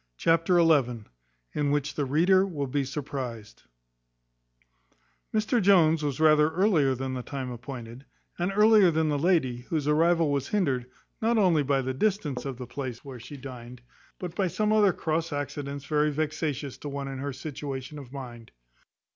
In which the reader will be surprized. Mr Jones was rather earlier than the time appointed, and earlier than the lady; whose arrival was hindered, not only by the distance of the place where she dined, but by some other cross accidents very vexatious to one in her situation of mind.